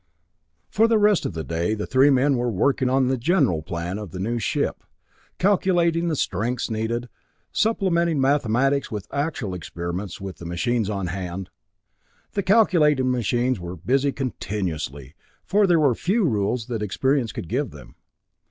For the rest of the day the three men were working on the general plan of the new ship, calculating the strengths needed, supplementing mathematics with actual experiments with the machines on hand. The calculating machines were busy continuously, for there were few rules that experience could give them.